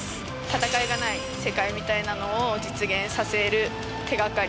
戦いがない世界みたいなのを実現させる手掛かりを作った。